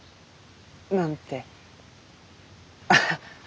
なんて。